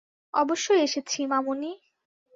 অবশ্যই এসেছি, মামুনি।